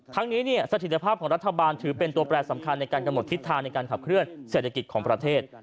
ทั้งนี้สถิตภาพของรัฐบาลถือเป็นตัวแปรสำคัญในการกำหนดทิศทางในการขับเคลื่อนเศรษฐกิจของประเทศ